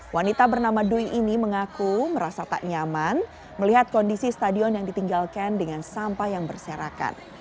wanita bernama dwi ini mengaku merasa tak nyaman melihat kondisi stadion yang ditinggalkan dengan sampah yang berserakan